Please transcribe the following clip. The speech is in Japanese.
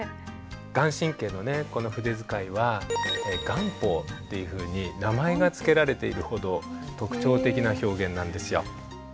顔真のねこの筆使いは顔法っていうふうに名前が付けられているほど特徴的な表現なんですよ。